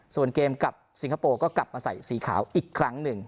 ส่วนเกมกับสิงคโปร์ก็กลับมาใส่สีขาวอีกครั้งหนึ่ง